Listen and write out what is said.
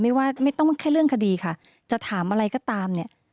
ว่าไม่ต้องแค่เรื่องคดีค่ะจะถามอะไรก็ตามเนี่ย